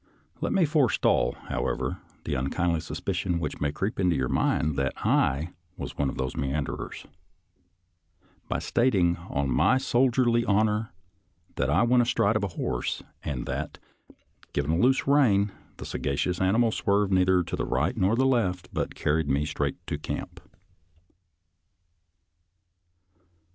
Let me forestall, however, the unkindly suspicion which may creep into your mind that I was one of the meanderers, by stating on my soldierly honor that I went astride of a horse, and that, given a loose rein, the sagacious animal swerved neither to right nor left, but carried me straight to camp.